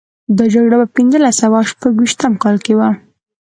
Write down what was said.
دا جګړه په پنځلس سوه او شپږویشتم کال کې وه.